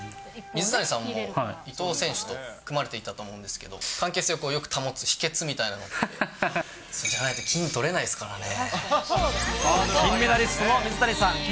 水谷さんも、伊藤選手と組まれていたと思うんですけど、関係性をよく保つ秘けつみたいなものって？じゃないと金、とれないですからね。